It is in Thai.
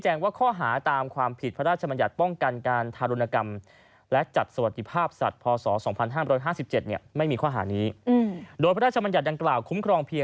แจ้งความดำเนินคดีนั้นเนี่ย